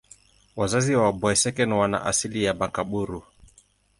Wazazi wa Boeseken wana asili ya Makaburu.